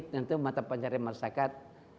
tentu mata pencarian masyarakat